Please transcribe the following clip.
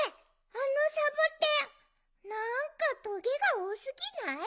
あのサボテンなんかトゲがおおすぎない？